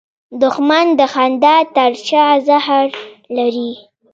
دښمن د خندا تر شا زهر لري